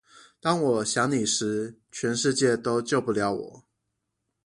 當我想你時，全世界都救不了我